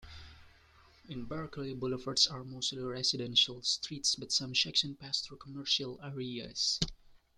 In Berkeley, boulevards are mostly residential streets, but some sections pass through commercial areas.